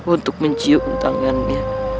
untuk mencium tangannya